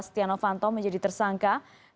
setia novanto menjadi tersangkaan